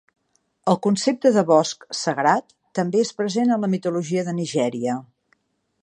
El concepte de bosc sagrat també és present en la mitologia de Nigèria.